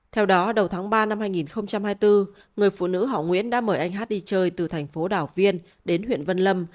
theo đó đầu tháng ba năm hai nghìn hai mươi bốn người phụ nữ họ nguyễn đã mời anh hát đi chơi từ thành phố đảo viên đến huyện vân lâm